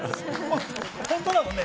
本当なのね。